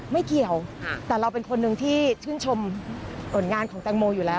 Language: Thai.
ไม่เกี่ยวแต่เราเป็นคนหนึ่งที่ชื่นชมผลงานของแตงโมอยู่แล้ว